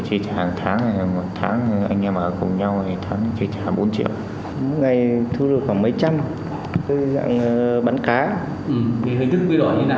thì hình thức quy đổi như thế nào